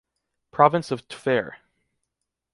Province of Tver’.